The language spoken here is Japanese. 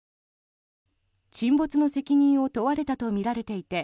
沈没の責任を問われたとみられていて